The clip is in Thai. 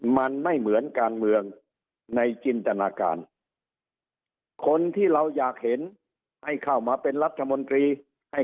มันไม่เหมือนการเมืองในจินตนาการคนที่เราอยากเห็นให้เข้ามาเป็นรัฐมนตรีให้